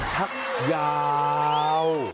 พักยาว